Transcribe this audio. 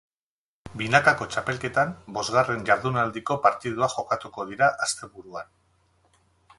Binakako txapelketan bosgarren jardunaldiko partiduak jokatuko dira asteburuan.